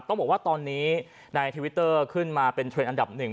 ต้องบอกว่าตอนนี้ในทวิตเตอร์ขึ้นมาเป็นเทรนดอันดับหนึ่ง